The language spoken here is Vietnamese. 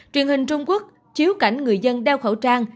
truyền hình trung quốc chiếu cảnh người dân đeo khẩu trang